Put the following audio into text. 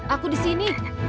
aku di sini